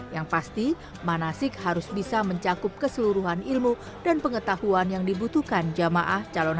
yang pasti manasik harus bisa mencakup keseluruhan ilmu dan pengetahuan yang dibutuhkan jamaah calon haji